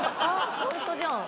ホントじゃん。